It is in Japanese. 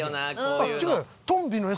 あっ違うよ。